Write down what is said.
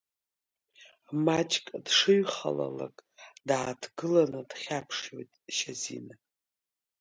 Маҷк дшыҩхалалак, дааҭгыланы дхьаԥшуеит Шьазина.